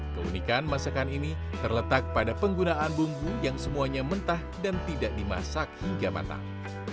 keunikan masakan ini terletak pada penggunaan bumbu yang semuanya mentah dan tidak dimasak hingga matang